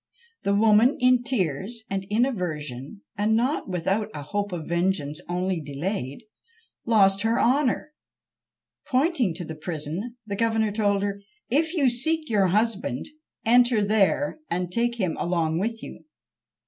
The woman, in tears and in aversion, and not without a hope of vengeance only delayed, lost her honour! Pointing to the prison, the governor told her, "If you seek your husband, enter there, and take him along with you!"